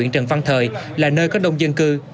trần văn thời là nơi có đông dân cư